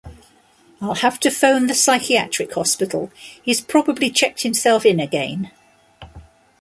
I'll have to phone the psychiatric hospital, he's probably checked himself in again!